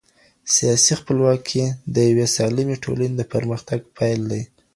سياسي خپلواکي د يوې سالمي ټولني د پرمختګ پيل دی.